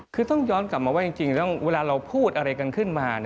คือต้องย้อนกลับมาว่าจริงแล้วเวลาเราพูดอะไรกันขึ้นมา